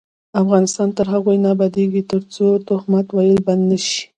افغانستان تر هغو نه ابادیږي، ترڅو تهمت ویل بند نشي.